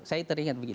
saya teringat begini